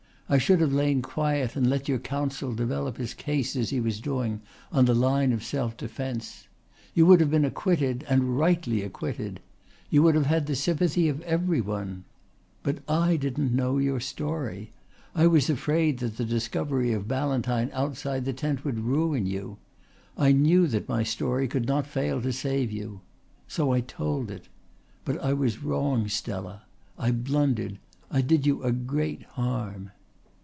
I should have lain quiet and let your counsel develop his case, as he was doing, on the line of self defence. You would have been acquitted and rightly acquitted. You would have had the sympathy of every one. But I didn't know your story. I was afraid that the discovery of Ballantyne outside the tent would ruin you. I knew that my story could not fail to save you. So I told it. But I was wrong, Stella. I blundered. I did you a great harm."